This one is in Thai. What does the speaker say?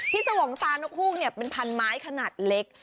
สวงตานกฮูกเป็นพันไม้ขนาดเล็ก